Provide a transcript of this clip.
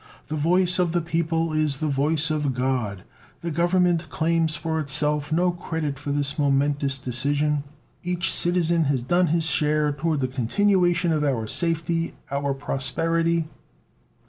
The voice of the people is the voice of God. The Government claims for itself no credit for this momentous decision. Each citizen has done his share toward the continuation of our safety, our prosperity...."